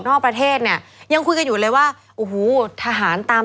นอกประเทศเนี่ยยังคุยกันอยู่เลยว่าโอ้โหทหารตาม